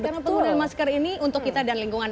karena pengguna masker ini untuk kita dan lingkungan